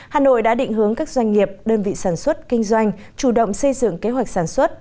hà nội đã định hướng các doanh nghiệp đơn vị sản xuất kinh doanh chủ động xây dựng kế hoạch sản xuất